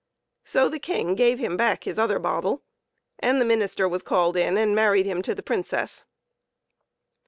So the King gave him back his other bottle, and the minister was called in and married him to the Princess.